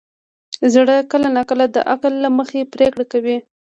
زړه کله ناکله له عقل نه مخکې پرېکړه کوي.